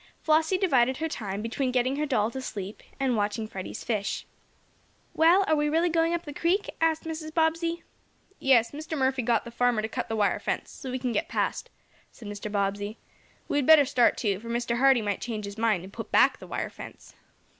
Flossie divided her time between getting her doll to "sleep" and watching Freddie's fish. "Well, are we really going up the creek?" asked Mrs. Bobbsey. "Yes, Mr. Murphy got the farmer to cut the wire fence, so we can get past," said Mr. Bobbsey. "We had better start, too, for Mr. Hardee might change his mind, and put back the wire fence."